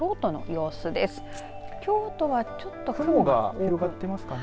京都は、ちょっと雲が広がっていますかね。